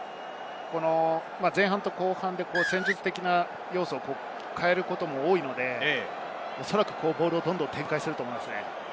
前半と後半で戦術的な要素を変えることも多いので、ボールをどんどん展開すると思いますね。